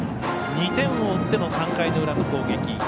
２点を追っての３回の裏の攻撃。